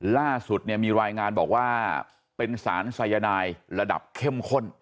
ล่าสุดเนี่ยมีรายงานบอกว่าเป็นสารสายนายระดับเข้มข้น